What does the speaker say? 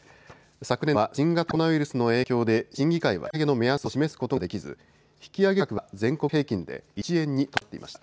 昨年度は新型コロナウイルスの影響で審議会は引き上げの目安を示すことができず引き上げ額は全国平均で１円にとどまっていました。